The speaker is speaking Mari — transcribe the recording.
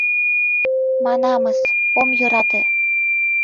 — Манамыс: ом йӧрате.